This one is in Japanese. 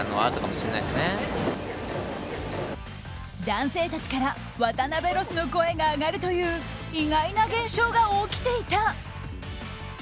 男性たちから渡邊ロスの声が上がるという意外な現象が起きていた。